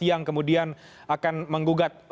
yang kemudian akan menggugat